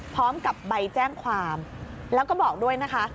พร้อมกับใบแจ้งความแล้วก็บอกด้วยนะคะ